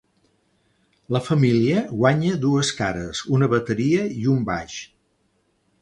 La família guanya dues cares, una bateria i un baix.